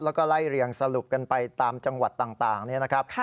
แล้วก็ไล่เรียงสรุปกันไปตามจังหวัดต่างเนี่ยนะครับ